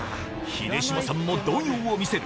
秀島さんも動揺を見せる